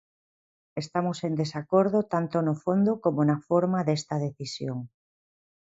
Estamos en desacordo tanto no fondo como na forma desta decisión.